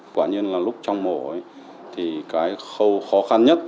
quả nhiên là lúc trong mổ thì cái khâu khó khăn nhất